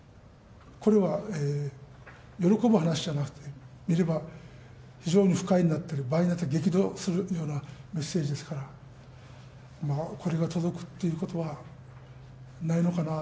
これは喜ぶ話じゃなくて、非常に不快になっている、場合によっては、激怒するようなメッセージですから、これが届くっていうことはないのかな。